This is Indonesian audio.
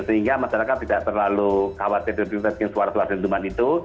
sehingga masyarakat tidak terlalu khawatir dengan suara suara dentuman itu